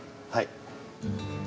はい。